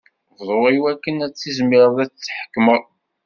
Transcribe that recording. Bḍu iwakken ad tizmireḍ ad tḥekmeḍ.